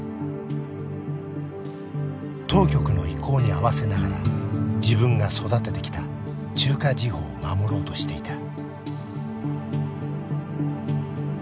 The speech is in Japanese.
当局の意向に合わせながら自分が育ててきた中華時報を守ろうとしていた。